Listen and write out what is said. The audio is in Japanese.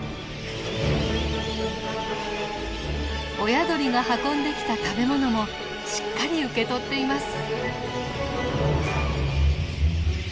親鳥が運んできた食べ物もしっかり受け取っています。